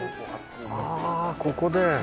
あぁここで。